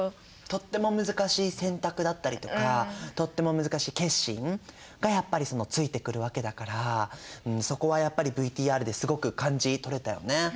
とっても難しい選択だったりとかとっても難しい決心がやっぱりついてくるわけだからそこはやっぱりＶＴＲですごく感じ取れたよね。